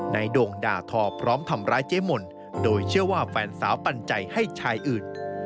โด่งด่าทอพร้อมทำร้ายเจ๊มนโดยเชื่อว่าแฟนสาวปันใจให้ชายอื่น